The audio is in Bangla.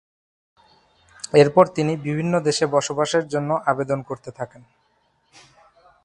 এরপর তিনি বিভিন্ন দেশে বসবাসের জন্য আবেদন করতে থাকেন।